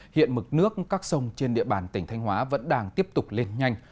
hiện mực nước các sông trên địa bàn tỉnh thanh hóa vẫn đang tiếp tục lên nhanh